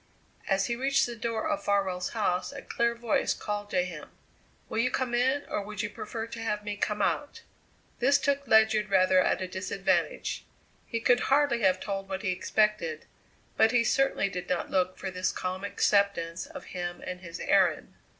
As he reached the door of Farwell's house a clear voice called to him: "Will you come in, or would you prefer to have me come out?" This took Ledyard rather at a disadvantage. He could hardly have told what he expected, but he certainly did not look for this calm acceptance of him and his errand.